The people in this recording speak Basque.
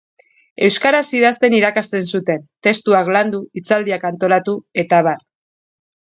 Euskaraz idazten irakasten zuten, testuak landu, hitzaldiak antolatu, eta abar.